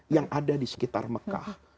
yang ada di sekitar mekah